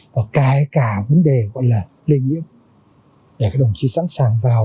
và kể cả vấn đề gọi là lây nhiễm để các đồng chí sẵn sàng vào